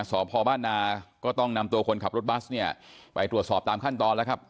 สอบพอบ้านนาก็ต้องนำตัวคนขับรถบัสเนี่ยไปตรวจสอบตามขั้นตอนแล้วครับ